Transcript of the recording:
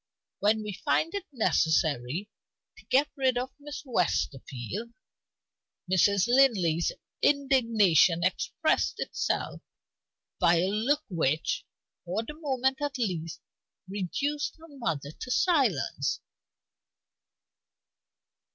When we find it necessary to get rid of Miss Westerfield " Mrs. Linley's indignation expressed itself by a look which, for the moment at least, reduced her mother to silence.